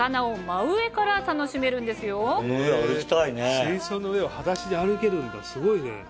水槽の上をはだしで歩けるんだすごいね。